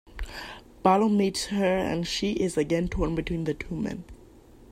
Barlow meets her and she is again torn between the two men.